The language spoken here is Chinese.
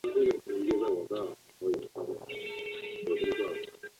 假青黄藤